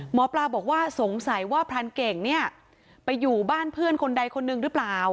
หมอปลาบอกว่าสงสัยว่าพรานเก่งเนี่ยไปอยู่บ้านเพื่อนคนใดคนหนึ่งหรือเปล่า